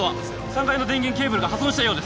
３階の電源ケーブルが破損したようです